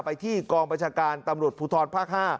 ไปที่กองบัญชาการตำรวจผู้ทรภาค๕